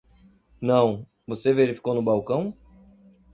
Não, você verificou no balcão?